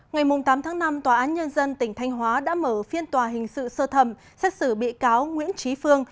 ngày tám tháng năm tòa án nhân dân tỉnh thanh hóa đã mở phiên tòa hình sự sơ thẩm xét xử bị cáo nguyễn trí phương